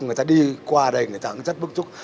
người ta đi qua đây người ta cũng rất bức xúc